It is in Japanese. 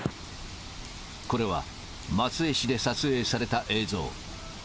これは松江市で撮影された映像。